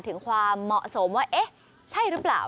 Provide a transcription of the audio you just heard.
ถึงความเหมาะสมว่าเอ๊ะใช่หรือเปล่า